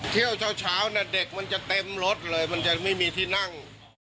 เที่ยวเช้าเนี่ยเด็กมันจะเต็มรถเลยมันจะไม่มีที่นั่ง